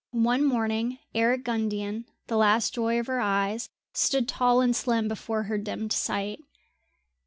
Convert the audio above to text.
One morning Eric Gundian, the last joy of her eyes, stood tall and slim before her dimmed sight.